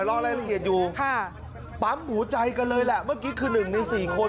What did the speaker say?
รอรายละเอียดอยู่ปั๊มหูใจกันเลยแหละเมื่อกี้คือ๑ใน๔คน